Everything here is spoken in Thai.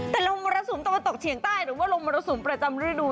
แต่ลมมรสุมตะวันตกเฉียงใต้หรือว่าลมมรสุมประจำฤดู